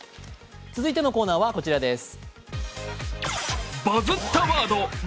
続いてのコーナーはこちらです。